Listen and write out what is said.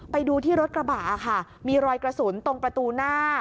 ไปดูที่รถกระบะค่ะมีรอยกระสุนตรงประตูหน้า